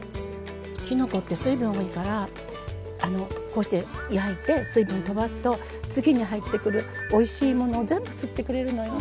きのこって水分多いからこうして焼いて水分とばすと次に入ってくるおいしいものを全部吸ってくれるのよね。